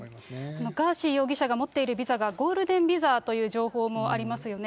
そのガーシー容疑者が持っているビザがゴールデンビザという情報もありますよね。